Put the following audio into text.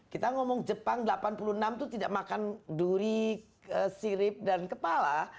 kita ngomong jepang delapan puluh enam itu tidak makan duri sirip dan kepala